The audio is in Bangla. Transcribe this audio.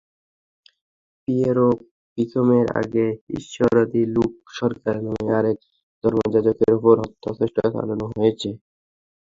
পিয়েরো পিচমের আগে ঈশ্বরদীতে লুক সরকার নামে আরেক ধর্মযাজকের ওপর হত্যাচেষ্টা চালানো হয়েছে।